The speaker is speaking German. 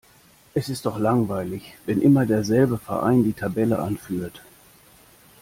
Es ist doch langweilig, wenn immer derselbe Verein die Tabelle anführt.